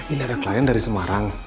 ini ada klien dari semarang